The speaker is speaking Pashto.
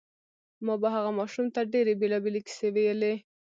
ما به هغه ماشوم ته ډېرې بېلابېلې کیسې ویلې